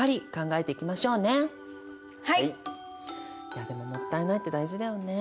いやでも「もったいない」って大事だよね。